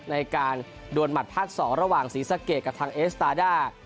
ในการดวนหมัดภาค๒ระหว่างศรีสะเกดกับทางเอสตาด้า